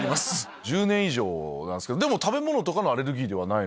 １０年以上なんすけどでも食べ物とかのアレルギーではない。